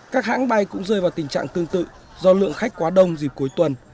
các hãng bay cũng rơi vào tình trạng tương tự do lượng khách quá đông dịp cuối tuần